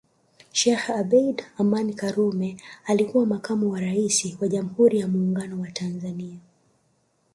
Sheikh Abeid Amani Karume alikuwa Makamu wa Rais wa Jamhuri ya Muungano wa Tanzania